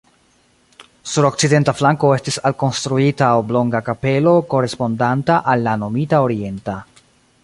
Sur okcidenta flanko estis alkonstruita oblonga kapelo korespondanta al la nomita orienta.